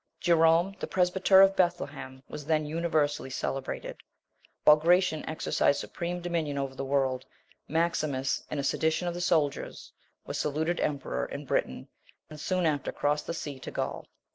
Jerome, the presbyter of Bethlehem, was then universally celebrated. Whilst Gratian exercised supreme dominion over the world, Maximus, in a sedition of the soldiers, was saluted emperor in Britain, and soon after crossed the sea to Gaul.